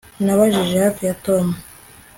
Nabajije hafi ya Tom